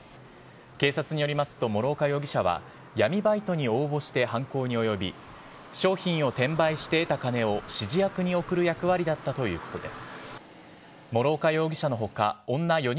警察によりますと諸岡容疑者は、闇バイトに応募して犯行に及び、商品を転売して得たお金を指示役に送る役割だったということです。